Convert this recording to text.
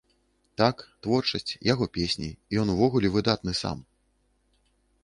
Так, творчасць, яго песні, ён увогуле выдатны сам!